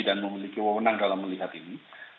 yang memiliki wawanan dalam melihat ini